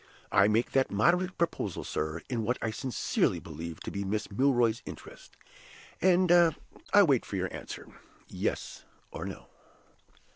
I make that moderate proposal, sir, in what I sincerely believe to be Miss Milroy's interest, and I wait your answer, Yes or No."